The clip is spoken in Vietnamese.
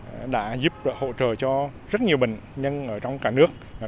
có được những kiến thức đúng đắn có được những kiến thức đúng đắn có được những kiến thức đúng đắn